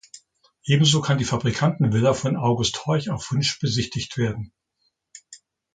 Ebenso kann die Fabrikanten-Villa von August Horch auf Wunsch besichtigt werden.